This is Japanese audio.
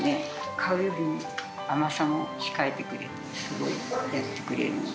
買うよりも甘さを控えてくれて、すごいやってくれるので。